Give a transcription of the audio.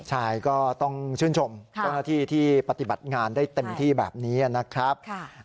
ใช่ก็ต้องชื่นชมเจ้าหน้าที่ที่ปฏิบัติงานได้เต็มที่แบบนี้นะครับ